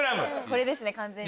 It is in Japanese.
これですね完全に。